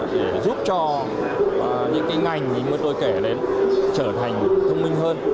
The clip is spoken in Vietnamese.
để giúp cho những cái ngành như tôi kể đến trở thành thông minh hơn